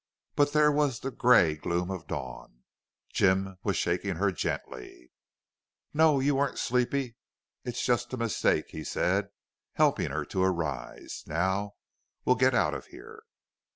But there was the gray gloom of dawn. Jim was shaking her gently. "No, you weren't sleepy it's just a mistake," he said, helping her to arise. "Now we'll get out of here."